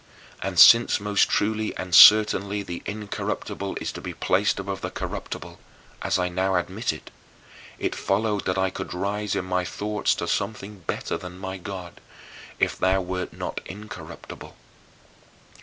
And since most truly and certainly the incorruptible is to be placed above the corruptible as I now admit it it followed that I could rise in my thoughts to something better than my God, if thou wert not incorruptible.